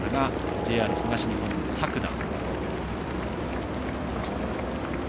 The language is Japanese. ＪＲ東日本の作田。